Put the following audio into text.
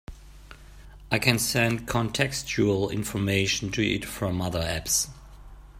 I can send contextual information to it from other apps.